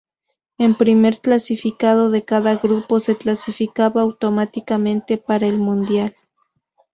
El primer clasificado de cada grupo se clasificaba automáticamente para el mundial.